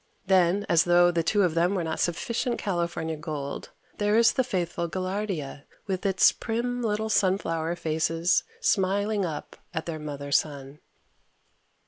Then, as though the two of them were not sufficient California gold, there is the faithful gaillardia with its prim little sunflower faces smiling up at their Mother Sun.